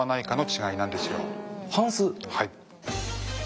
はい。